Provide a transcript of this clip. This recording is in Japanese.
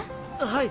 はい！